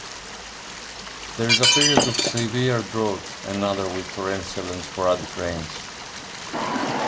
There is a period of severe drought and another with torrential and sporadic rains.